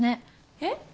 えっ？